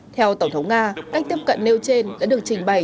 theo tổng thống nga cách tiếp cận nêu trên đã được trình bày